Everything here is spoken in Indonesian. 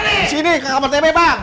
disini ke kamar tebek bang